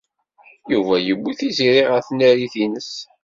Yuba yewwi Tiziri ɣer tnarit-nnes.